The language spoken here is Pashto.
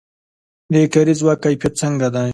د کاري ځواک کیفیت څنګه دی؟